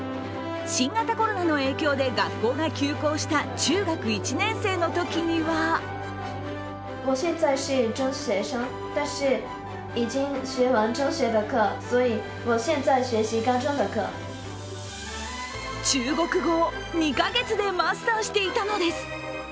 新型コロナの影響で学校が休校した中学１年生のときには中国語を２か月でマスターしていたのです。